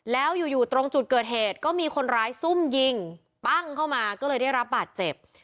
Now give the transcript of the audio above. แล้วอยู่อยู่ตรงจุดเกิดเหตุก็มีคนร้ายซุ่มยิงปั้งเข้ามาก็เลยได้รับบาดเจ็บ